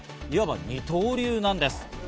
いわば二刀流です。